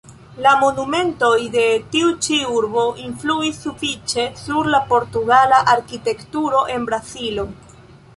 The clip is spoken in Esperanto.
La monumentoj de tiu ĉi urbo influis sufiĉe sur la portugala arkitekturo en Brazilo.